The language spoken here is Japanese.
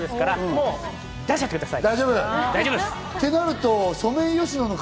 もう、出しちゃってください。